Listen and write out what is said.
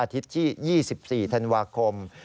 อาทิตย์ที่๒๔ธันวาคม